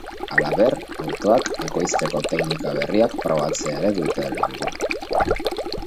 Halaber, autoak ekoizteko teknika berriak probatzea ere dute helburu.